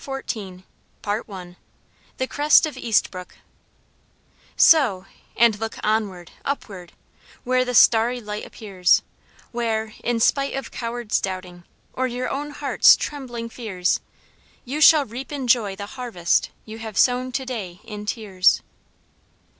CHAPTER XIV The Crest of Eastbrooke "Sow; and look onward, upward, Where the starry light appears, Where, in spite of coward's doubting, Or your own heart's trembling fears, You shall reap in joy the harvest You have sown to day in tears."